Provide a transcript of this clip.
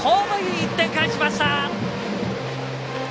１点返しました！